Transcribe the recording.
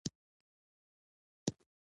ماشومانو ته باید د ښوونې فرصت ورکړل شي.